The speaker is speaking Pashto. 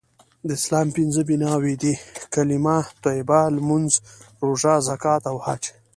د اسلام پنځه بنأوي دي.کلمه طیبه.لمونځ.روژه.زکات.او حج